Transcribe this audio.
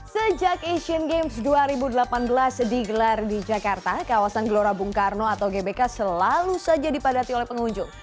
sejak asian games dua ribu delapan belas digelar di jakarta kawasan gelora bung karno atau gbk selalu saja dipadati oleh pengunjung